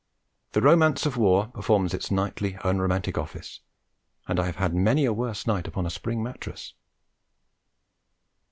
The Romance of War performs its nightly unromantic office ... and I have had many a worse night upon a spring mattress.